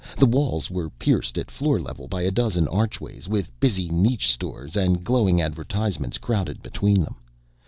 The walls were pierced at floor level by a dozen archways with busy niche stores and glowing advertisements crowded between them.